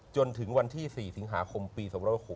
จนถึงวันที่๔สิงหาคมปี๒๖๖